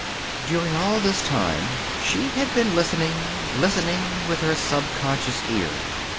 During all this time she had been listening, listening, with her subconscious ear.